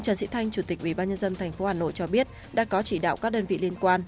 trần sĩ thanh chủ tịch ubnd tp hà nội cho biết đã có chỉ đạo các đơn vị liên quan